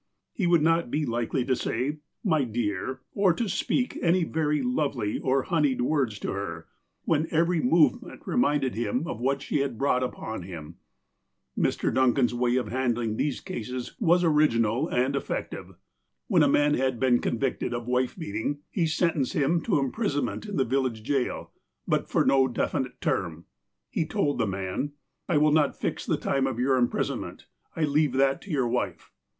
He would not be likely to say: 'My dear,' or to speak any veiy lovely or honeyed words to her, when FROM JUDGE DUNCAN'S DOCKET 205 every movement reminded him of what she had brought upon him." Mr. Duncan's way of handling these cases was original and effective. When a man had been convicted of wife beating, he sentenced him to imprisonment in the village jail, but for no definite term. He told the man :'' I will not fix the time of your imjjrisonment. I leave that to your wife.